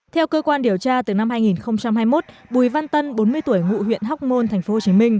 theo cơ quan điều tra từ năm hai nghìn hai mươi một bùi văn tân bốn mươi tuổi ngụ huyện hóc môn tp hcm